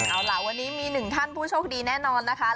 เอาล่ะวันนี้มีหนึ่งท่านผู้โชคดีแน่นอนนะคะ